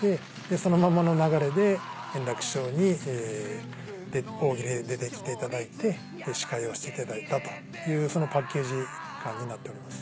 そのままの流れで円楽師匠に「大喜利」で出て来ていただいて司会をしていただいたというそのパッケージ感になっております。